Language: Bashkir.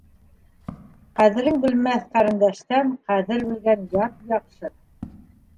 Ҡәҙерен белмәҫ ҡәрендәштән ҡәҙер белгән ят яҡшы.